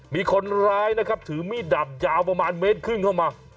มีคนร้ายนะครับถือมีดดับยาวประมาณเมตรครึ่งเข้ามา